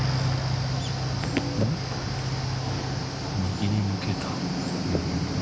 右に抜けた。